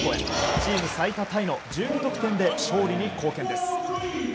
チーム最多タイ１２得点の活躍で勝利に貢献です。